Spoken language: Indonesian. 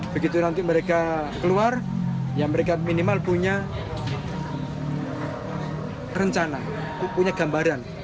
begitu nanti mereka keluar ya mereka minimal punya rencana punya gambaran